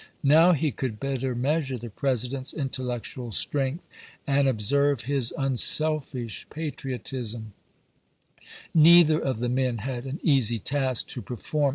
Now he could better measure the President's intellectual CAMEKON AND STANTON 139 strength, and observe his unselfish patriotism, chap.viii. Neither of the men had an easy task to perform.